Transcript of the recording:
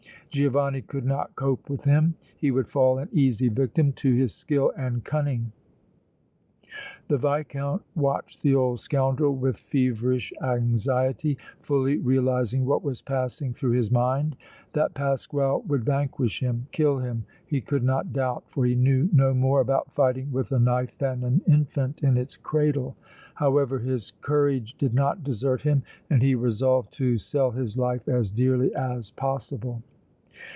Giovanni could not cope with him; he would fall an easy victim to his skill and cunning! The Viscount watched the old scoundrel with feverish anxiety, fully realizing what was passing through his mind. That Pasquale would vanquish him, kill him, he could not doubt, for he knew no more about fighting with a knife than an infant in its cradle. However, his courage did not desert him, and he resolved to sell his life as dearly as possible.